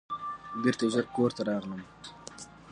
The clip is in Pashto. بیرته ژر کور ته راغلم.